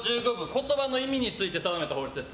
言葉の意味について定めた法律です。